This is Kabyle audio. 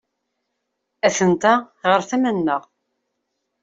Atent-a ɣer tama-nneɣ.